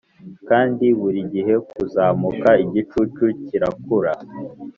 kandi burigihe kuzamuka igicucu kirakura